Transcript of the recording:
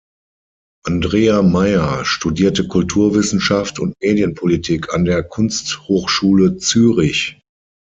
Andrea Meier studierte Kulturwissenschaft und Medienpolitik an der Kunsthochschule Zürich.